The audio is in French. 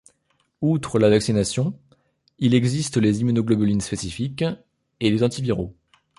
Outre la vaccination, il existe les immunoglobulines spécifiques et les antiviraux.